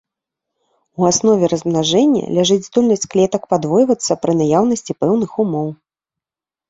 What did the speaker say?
У аснове размнажэння ляжыць здольнасць клетак падвойвацца пры наяўнасці пэўных умоў.